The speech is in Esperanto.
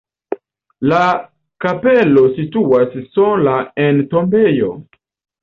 La kapelo situas sola en tombejo.